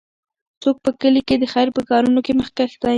څوک په کلي کې د خیر په کارونو کې مخکښ دی؟